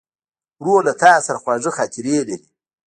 ورور له تا سره خواږه خاطرې لري.